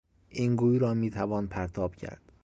این گوی را میتوان پرتاب کرد.